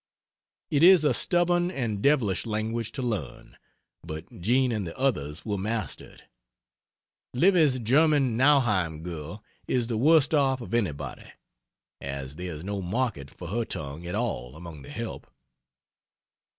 It is a stubborn and devilish language to learn, but Jean and the others will master it. Livy's German Nauheim girl is the worst off of anybody, as there is no market for her tongue at all among the help.